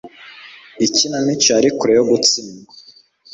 Ikinamico yari kure yo gutsindwa.